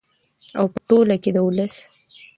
او په ټوله کې د ولس